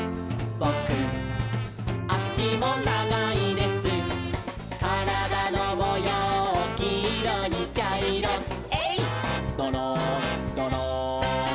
「ぼくあしもながいです」「からだのもようきいろにちゃいろ」「えいっどろんどろん」